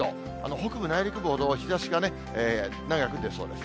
北部、内陸部ほど日ざしが長く出そうです。